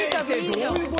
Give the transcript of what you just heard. どういうことや？